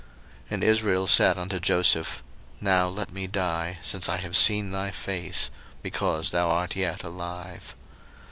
01:046:030 And Israel said unto Joseph, Now let me die, since I have seen thy face, because thou art yet alive.